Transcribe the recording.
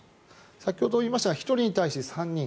先ほど言いましたが１人に対して３人。